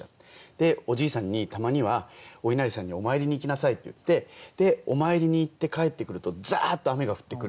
でおじいさんに「たまにはお稲荷さんにお参りに行きなさい」って言ってお参りに行って帰ってくるとザーッと雨が降ってくる。